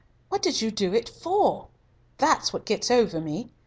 What did you do it for? That's what gets over me.